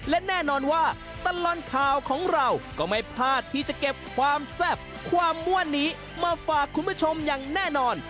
และแน่นอนว่าตลอดข่าวของเราก็ไม่พลาดที่จะเก็บความแซ่บความม่วนนี้มาฝากคุณผู้ชมอย่างแน่นอน